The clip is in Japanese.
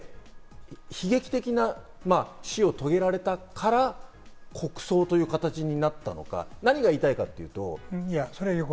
今回、こういう形で悲劇的な死を遂げられたから国葬という形になったのか、何が言いたいかっていうと。